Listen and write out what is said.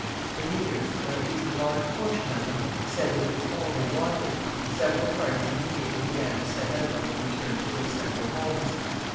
The leaders, or at least a large portion of them, said that it was all they wanted, and several parties immediately began to set out on their return to their several homes.